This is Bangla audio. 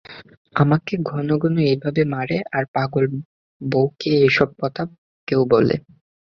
আমাকে ঘন ঘন এইভাবে মারে আরে পাগল বউকে এইসব কথা কেউ বলে!